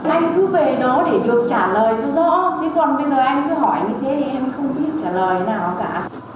anh cứ về đó để được trả lời cho rõ thế còn bây giờ anh cứ hỏi như thế em không biết trả lời nào cả